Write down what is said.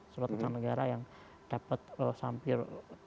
sebuah usaha negara yang dapat sampir